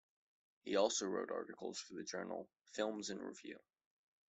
He also wrote articles for the journal "Films in Review".